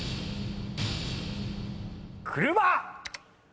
車！